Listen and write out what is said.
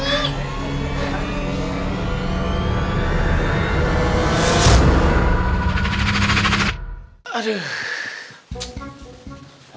masih aja sial